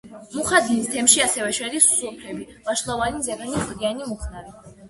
მეხადირის თემში ასევე შედის სოფლები: ვაშლოვანი, ზეგანი, კლდიანი, მუხნარი.